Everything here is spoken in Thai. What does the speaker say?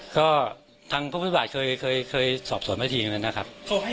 ก็ทางพฤบาทเคยสอบส่วนมาทีนั้นนะครับ